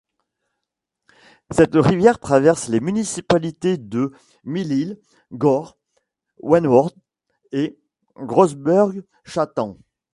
Cette rivière traverse les municipalités de: Mille-Isles, Gore, Wentworth et Brownsburg-Chatham.